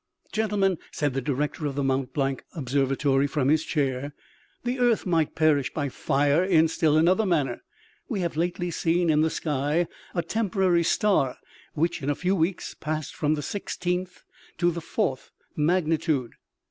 " Gentlemen," said the director of the Mont Blanc obser vatory, from his chair, " the earth might perish by fire in still another manner. We have lately seen in the sky a temporary star which, in a few weeks, passed from the six teenth to the fourth magnitude.